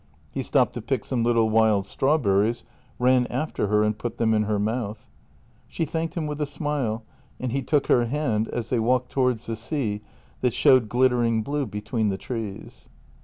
He stopped to pick some little wild strawberries, ran after her, and put them in her mouth. She thanked him with a smile, and he took her hand as they walked towards the sea that showed glittering blue between the trees.